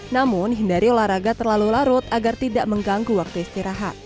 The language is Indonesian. namun hindari olahraga terlalu larut agar tidak mengganggu waktu istirahat